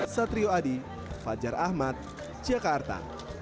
satrio adi fajar ahmad jakarta